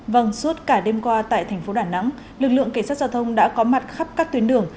vâng suốt cả đêm qua tại thành phố đà nẵng lực lượng cảnh sát giao thông đã có mặt khắp các tuyến đường